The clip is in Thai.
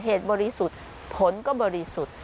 บริสุทธิ์ผลก็บริสุทธิ์